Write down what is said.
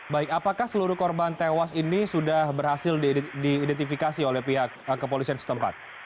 baik apakah seluruh korban tewas ini sudah berhasil diidentifikasi oleh pihak kepolisian setempat